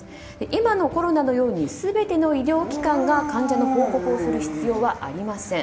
今のコロナのように全ての医療機関が患者の報告をする必要はありません。